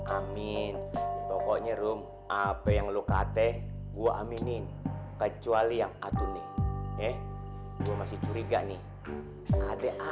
amin pokoknya room apa yang lu kate gua aminin kecuali yang aku nih gue masih curiga nih ada